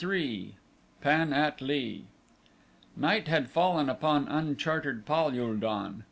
3 Pan at lee Night had fallen upon unchartered Pal ul don.